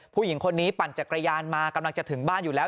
ผู้หญิงคนนี้ปั่นจักรยานมากำลังจะถึงบ้านอยู่แล้ว